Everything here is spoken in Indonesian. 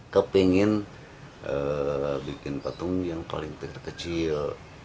kepingin bikin patung yang paling terkecil